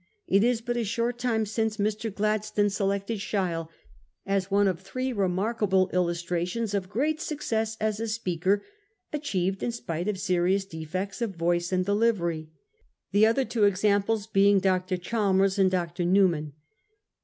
It is but a short time since Mr. Glad stone selected Sheil as one of three remarkable illus trations of great success as a speaker achieved in spite of serious defects of voice and delivery ; the other 46 A HISTORY OF OUR OWN TIMES. oh. n. two examples being Dr. Chalmers and Dr. Newman.